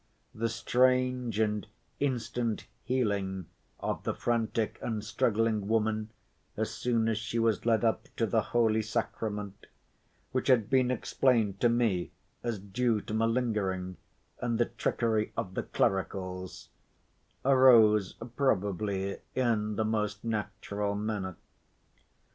The strange and instant healing of the frantic and struggling woman as soon as she was led up to the holy sacrament, which had been explained to me as due to malingering and the trickery of the "clericals," arose probably in the most natural manner.